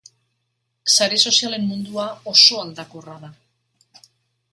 Sare sozialen mundua oso aldakorra da.